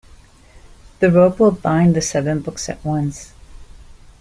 The rope will bind the seven books at once.